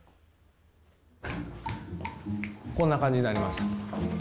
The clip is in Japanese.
こんな感じになります。